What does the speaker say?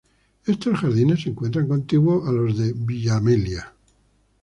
Estos jardines se encuentran contiguos a los de Villa Amelia.